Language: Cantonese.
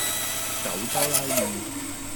九州拉麵